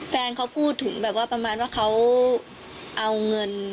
แฟนเขาพูดถึงแบบว่าประมาณว่าเขาเอาเงิน